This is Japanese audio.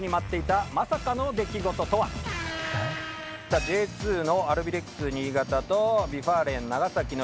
さあＪ２のアルビレックス新潟とＶ・ファーレン長崎の一戦です。